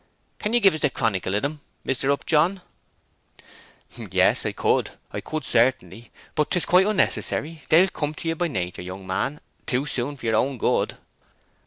"Can ye give us the chronicle of 'em, Mr. Upjohn?" "Yes—I could. I could certainly. But 'tis quite unnecessary. They'll come to ye by nater, young man, too soon for your good."